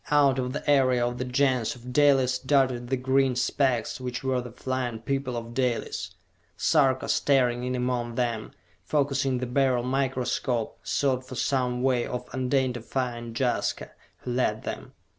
Out of the area of the Gens of Dalis darted the green specks which were the flying people of Dalis! Sarka, staring in among them, focussing the Beryl microscope, sought for some way of identifying Jaska, who led them.